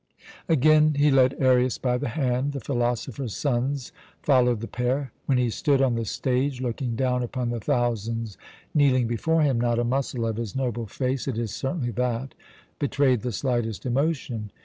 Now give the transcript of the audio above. "Again he led Arius by the hand. The philosopher's sons followed the pair. When he stood on the stage, looking down upon the thousands kneeling before him, not a muscle of his noble face it is certainly that betrayed the slightest emotion.